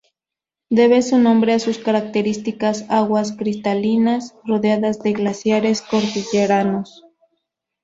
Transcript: Debe su nombre a sus características aguas cristalinas rodeadas de glaciares cordilleranos.